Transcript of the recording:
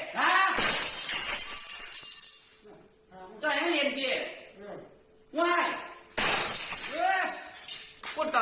เจ้ายังไม่เรียนเจ๋